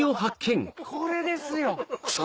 これですよ！